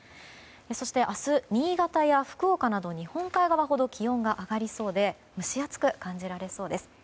そして、明日新潟や福岡など日本海側ほど気温が上がりそうで蒸し暑く感じられそうです。